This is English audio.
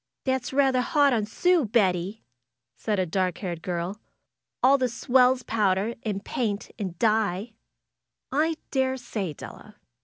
^'That's rather hard on Sue, Betty said a dark haired girl. ^^All the swells powder, and paint, and dye." daresay, Della.